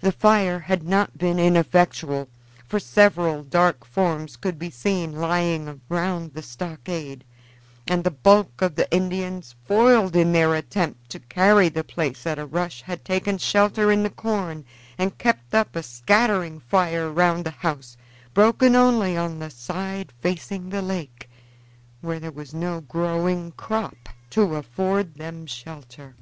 The fire had not been ineffectual, for several dark forms could be seen lying round the stockade, and the bulk of the Indians, foiled in their attempt to carry the place at a rush, had taken shelter in the corn and kept up a scattering fire round the house, broken only on the side facing the lake, where there was no growing crop to afford them shelter.